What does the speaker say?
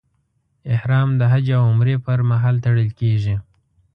احرام د حج او عمرې پر مهال تړل کېږي.